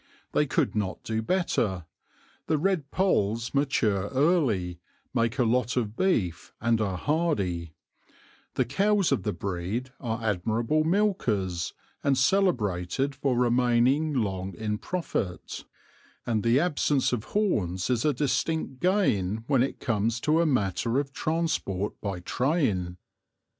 They could not do better. The Red Polls mature early, make a lot of beef, and are hardy; the cows of the breed are admirable milkers, and celebrated for remaining long in profit; and the absence of horns is a distinct gain when it comes to a matter of transport by train.